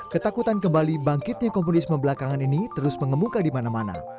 ketakutan kembali bangkitnya komunisme belakangan ini terus mengemuka di mana mana